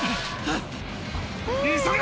・・急げ！